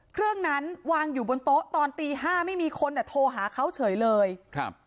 เครื่องนั้นวางอยู่บนโต๊ะตอนตีห้าไม่มีคนอ่ะโทรหาเขาเฉยเลยครับ